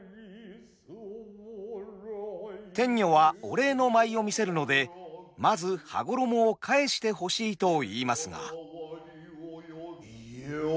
天女はお礼の舞を見せるのでまず羽衣を返してほしいといいますが。